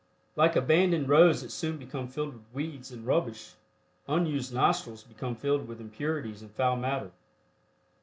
Like abandoned roads that soon become filled with weeds and rubbish, unused nostrils become filled with impurities and foul matter.